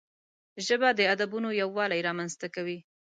ژبه د ادبونو یووالی رامنځته کوي